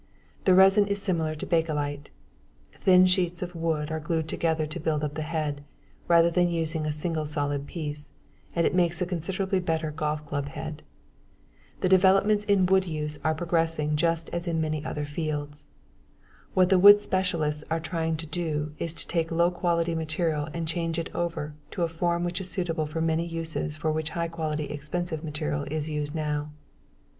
The resin is similar to Bakelite. Thin sheets of wood are glued together to build up the head, rather than using a single solid piece, and it makes a considerably better golf club head. The developments in wood use are progressing just as in many other fields. What the wood specialists are trying to do is to take low quality material and change it over to a form which is suitable for many uses for which high quality expensive material is now used.